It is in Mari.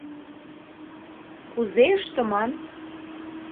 Кузе ыштыман?